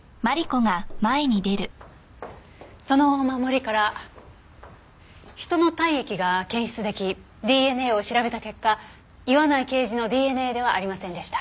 そのお守りから人の体液が検出できＤＮＡを調べた結果岩内刑事のＤＮＡではありませんでした。